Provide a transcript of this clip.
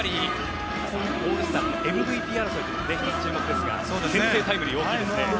オールスターのＭＶＰ争いにも注目ですが先制タイムリーは大きいですね。